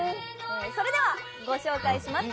それではご紹介します。